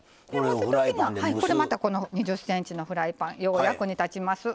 これまた２０ｃｍのフライパンよう役に立ちます。